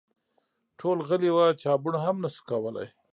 ټول غلي وه ، چا بوڼ هم شو کولی !